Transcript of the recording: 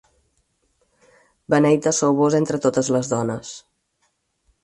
Beneita sou vós entre totes les dones.